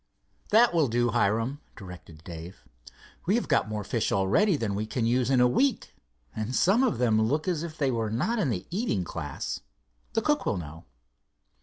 "That will do, Hiram," directed Dave. "We have got more fish already than we can use in a week, and some of them look as if they were not in the eating class. The cook will know."